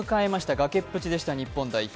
崖っぷちでした日本代表。